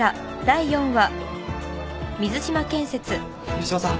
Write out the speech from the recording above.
水島さん